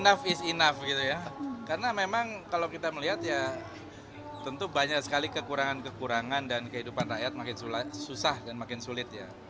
enough is enough gitu ya karena memang kalau kita melihat ya tentu banyak sekali kekurangan kekurangan dan kehidupan rakyat makin susah dan makin sulit ya